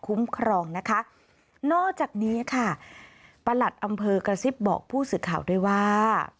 ครองนะคะนอกจากนี้ค่ะประหลัดอำเภอกระซิบบอกผู้สื่อข่าวด้วยว่า